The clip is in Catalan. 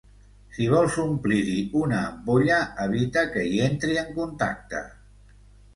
Si vols omplir-hi una ampolla, evitar que hi entri en contacte.